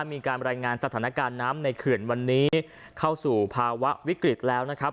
มีการรายงานสถานการณ์น้ำในเขื่อนวันนี้เข้าสู่ภาวะวิกฤตแล้วนะครับ